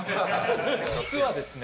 実はですね